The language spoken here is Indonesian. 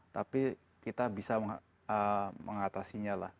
tapi kita bisa mengatasinya lah